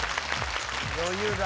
余裕だ